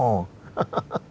アハハハ。